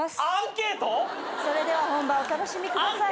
それでは本番お楽しみください。